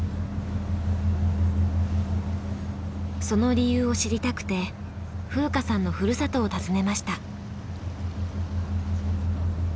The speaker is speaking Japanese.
その理由を知りたくて風花さんのふるさとを訪ねました。